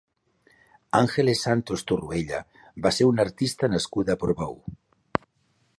Ángeles Santos Torroella va ser una artista nascuda a Portbou.